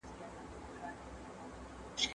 خه خواړه زموږ بدن صحت مند ساتي